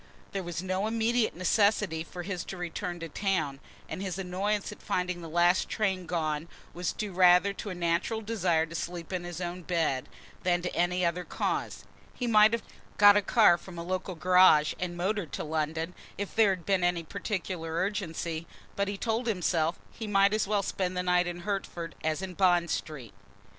There was no immediate necessity for his return to town and his annoyance at finding the last train gone was due rather to a natural desire to sleep in his own bed, than to any other cause. He might have got a car from a local garage, and motored to London, if there had been any particular urgency, but, he told himself, he might as well spend the night in Hertford as in Bond Street.